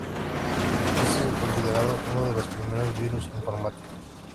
Este es considerado uno de los primeros virus informáticos.